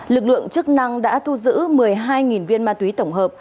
lực lượng chức năng đã thu giữ một mươi hai viên ma túy tổng hợp